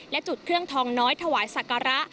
และจุดเครื่องทองน้อยถวายศักระ